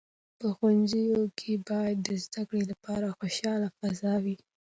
په ښوونځیو کې باید د زده کړې لپاره خوشاله فضا وي.